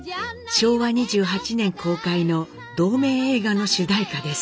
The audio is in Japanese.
昭和２８年公開の同名映画の主題歌です。